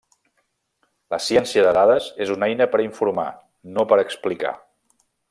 La ciència de dades és una eina per informar, no per explicar.